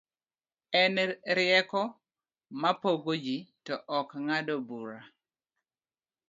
en rieko ma pogo ji, to ok ng'ado bura